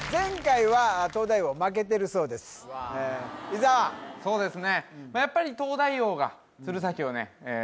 伊沢そうですね